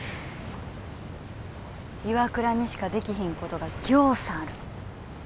岩倉にしかできひんことがぎょうさんある。